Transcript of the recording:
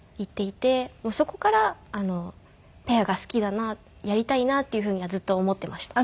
そこからペアが好きだなやりたいなっていうふうにはずっと思っていました。